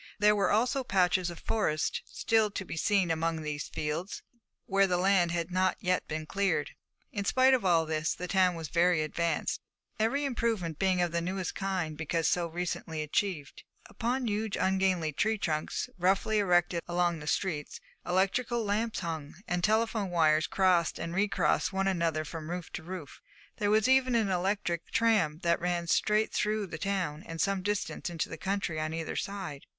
There were also patches of forest still to be seen among these fields, where the land had not yet been cleared. In spite of all this, the town was very advanced, every improvement being of the newest kind because so recently achieved. Upon huge ungainly tree trunks roughly erected along the streets, electric lamps hung, and telephone wires crossed and recrossed one another from roof to roof. There was even an electric tram that ran straight through the town and some distance into the country on either side.